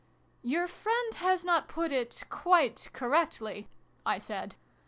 Your friend has not put it quite correctly," I said.